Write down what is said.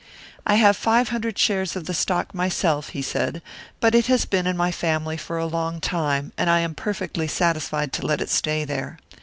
"I have five hundred shares of the stock myself," he said, "but it has been in my family for a long time, and I am perfectly satisfied to let it stay there.